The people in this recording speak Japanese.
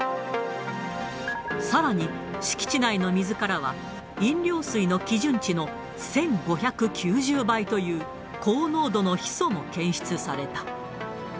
さらに敷地内の水からは、飲料水の基準値の１５９０倍という高濃度のヒ素も検出された。